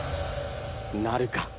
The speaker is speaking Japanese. なるか？